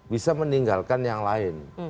bisa meninggalkan yang lain